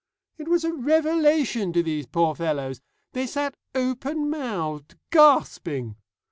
It was a revelation to these poor fellows. They sat open mouthed, gasping.